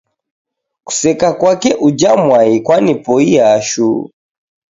Kuseka kwake uja mwai kwanipoia shuu